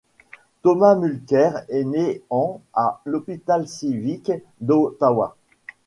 Thomas Mulcair est né en à l'Hôpital civique d'Ottawa.